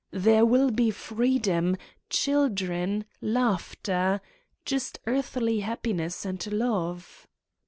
There will be freedom, children, laugh ter, just earthly happiness and love.